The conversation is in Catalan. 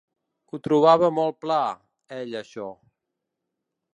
Ho trobava molt pla, ell, això.